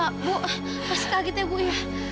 aduh bu masih kaget ya bu ya